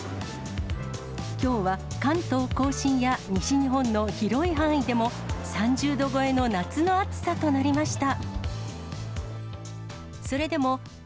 きょうは関東甲信や、西日本の広い範囲でも、３０度超えの夏の暑さとなりました。